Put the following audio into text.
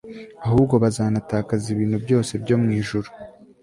ahubwo bazanatakaza ibintu byose byo mu Ijuru